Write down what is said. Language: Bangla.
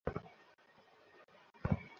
ভেবেছিলাম তুই ওকে পছন্দ করিস।